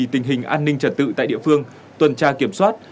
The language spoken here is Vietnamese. tình hình an ninh trật tự tại địa phương tuần tra kiểm soát